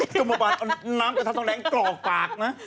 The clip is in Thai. ก็เมื่อวานเอาน้ำกระทะทองแดงกรอกปากนะ